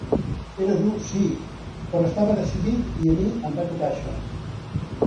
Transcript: Era dur, sí, però estava decidit, i a mi em va tocar això.